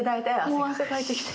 もう汗かいてきた。